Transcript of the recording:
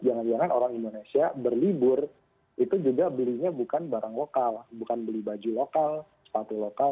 jangan jangan orang indonesia berlibur itu juga belinya bukan barang lokal bukan beli baju lokal sepatu lokal